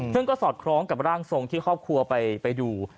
ซึ่งก็สอดคล้องกับร่างทรงที่ครอบครัวไปดู